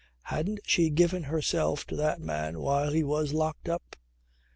Hadn't she given herself to that man while he was locked up.